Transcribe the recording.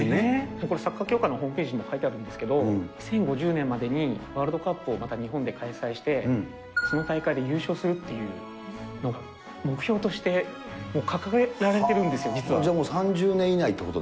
これ、サッカー協会のホームページにも書いてあるんですけど、２０５０年までにワールドカップをまた日本で開催して、その大会で優勝するっていうのが、目標としてもう掲げられてるんでじゃあ、３０年以内っていうことだ。